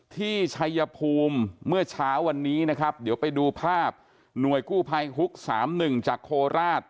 ชัยภูมิเมื่อเช้าวันนี้นะครับเดี๋ยวไปดูภาพหน่วยกู้ภัยฮุก๓๑จากโคราช